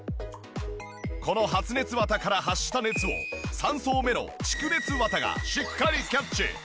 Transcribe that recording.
この発熱綿から発した熱を３層目の蓄熱綿がしっかりキャッチ。